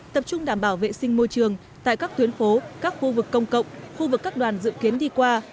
tập trung đảm bảo vệ sinh môi trường tại các tuyến phố các khu vực công cộng khu vực các đoàn dự kiến đi qua